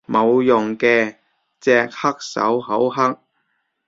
冇用嘅，隻黑手好黑